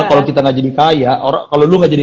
kalau kita gak jadi kaya kalau lu gak jadi